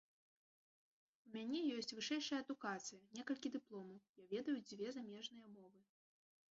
У мяне ёсць вышэйшая адукацыя, некалькі дыпломаў, я ведаю дзве замежныя мовы.